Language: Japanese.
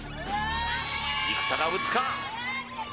生田が打つか？